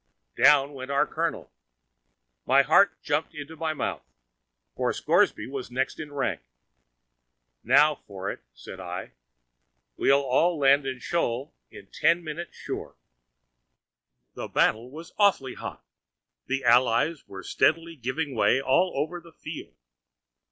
down went our colonel, and my heart jumped into my mouth, for Scoresby was next in rank! Now for it, said I; we'll all land in Sheol in ten minutes, sure. The battle was awfully hot; the allies were steadily giving way all over the field.